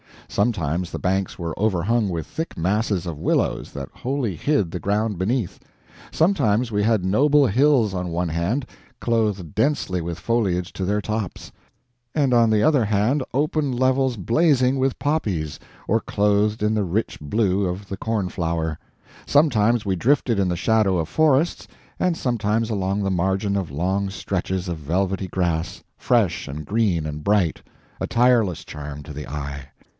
Sometimes the banks were overhung with thick masses of willows that wholly hid the ground behind; sometimes we had noble hills on one hand, clothed densely with foliage to their tops, and on the other hand open levels blazing with poppies, or clothed in the rich blue of the corn flower; sometimes we drifted in the shadow of forests, and sometimes along the margin of long stretches of velvety grass, fresh and green and bright, a tireless charm to the eye.